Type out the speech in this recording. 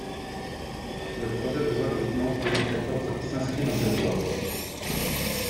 Le projet de loi de finances deux mille quatorze s’inscrit dans cette voie.